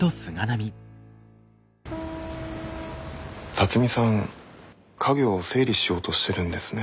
龍己さん家業を整理しようとしてるんですね。